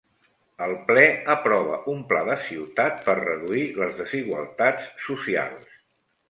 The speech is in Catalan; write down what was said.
El Ple aprova un pla de ciutat per reduir les desigualtats socials.